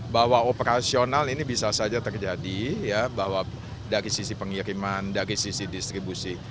bahwa operasional ini bisa saja terjadi ya bahwa dari sisi pengiriman dari sisi distribusi